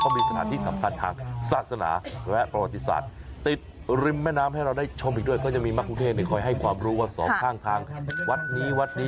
ก็มีสถานที่สำคัญทางศาสนาและประวัติศาสตร์